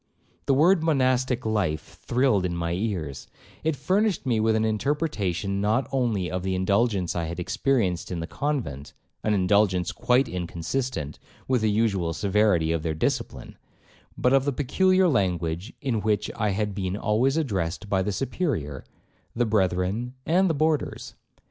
The word 'monastic life' thrilled in my ears; it furnished me with an interpretation not only of the indulgence I had experienced in the convent, (an indulgence quite inconsistent with the usual severity of their discipline), but of the peculiar language in which I had been always addressed by the Superior, the brethren, and the boarders.